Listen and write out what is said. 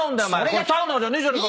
サウナじゃねえじゃねえか。